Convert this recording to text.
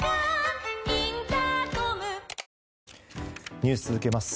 ニュース続けます。